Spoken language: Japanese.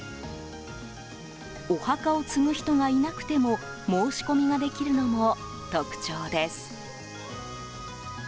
お墓を継ぐ人がいなくても申し込みができるのも特徴です。